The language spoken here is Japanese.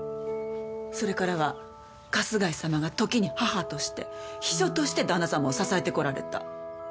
それからは春日井様が時に母として秘書として旦那様を支えてこられた。